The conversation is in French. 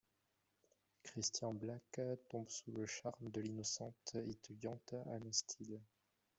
Christian Black tombe sous le charme de l'innocente étudiante Hannah Steele.